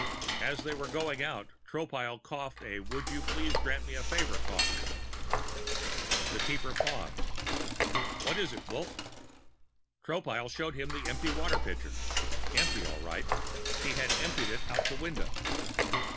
As they were going out, Tropile coughed a would you please grant me a favor cough. The Keeper paused. "What is it, Wolf?" Tropile showed him the empty water pitcher empty, all right; he had emptied it out the window.